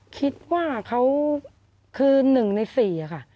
คิดว่าเขาคือหนึ่งในสี่ค่ะ